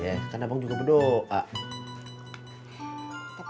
atos kata ibu perché juga berdoa